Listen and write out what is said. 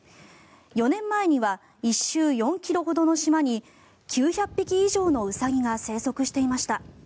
４年前には１周４ｋｍほどの島に９００匹以上のウサギが生息していました。